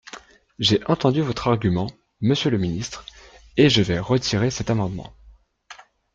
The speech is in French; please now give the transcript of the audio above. J’ai entendu votre argument, monsieur le ministre, et je vais retirer cet amendement.